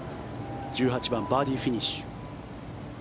１８番バーディーフィニッシュ。